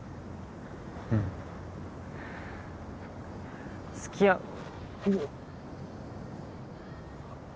うん付き合うの？